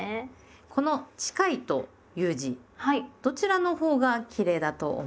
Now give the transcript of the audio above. この「近い」という字どちらのほうがきれいだと思いますか？